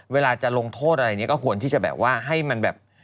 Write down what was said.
เวลาจะลงโทษอะไรเนี่ยก็ควรที่จะแบบว่าให้มันแบบ